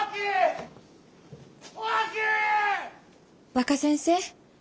若先生